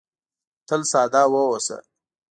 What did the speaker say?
تل ساده واوسه .